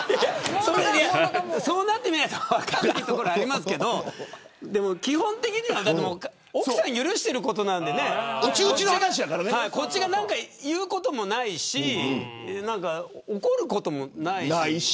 そうなってみないと分からないところはありますけど奥さんが許していることなんでこっちが何か言うこともないし怒ることもないし。